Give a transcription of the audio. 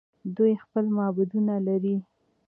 دوی خپل معبدونه لري.